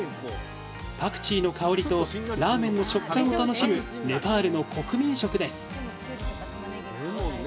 パクチーの香りとラーメンの食感を楽しむネパールの国民食です